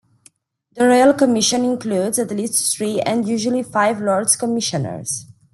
The Royal Commission includes at least three-and usually five-Lords Commissioners.